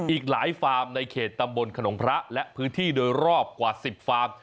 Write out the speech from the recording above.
อีกหลายฟาร์มในเขตตำบลขนมพระและพื้นที่โดยรอบกว่า๑๐ฟาร์ม